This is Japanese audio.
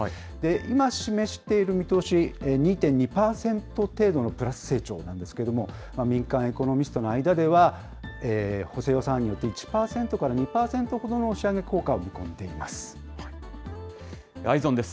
今、示している見通し、２．２％程度のプラス成長なんですけれども、民間エコノミストの間では、補正予算案によって１％から２％ほどの押し上げ効果を見込んでいＥｙｅｓｏｎです。